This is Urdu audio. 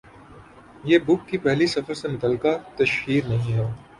یہ بُک کی پہلی سفر سے متعلقہ تشہیر نہیں ہے